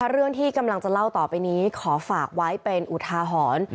เรื่องที่กำลังจะเล่าต่อไปนี้ขอฝากไว้เป็นอุทาหรณ์